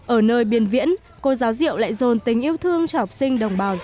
ở nơi biên viễn cô giáo diệu lại dồn tình yêu thương cho học sinh đồng bào dân tộc